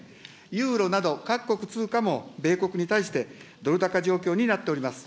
ユーロなど各国通貨も米国に対してドル高状況になっております。